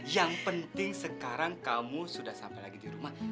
yang penting sekarang kamu sudah sampai lagi di rumah